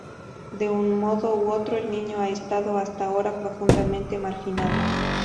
De un modo u otro, el niño ha estado, hasta ahora, profundamente marginado.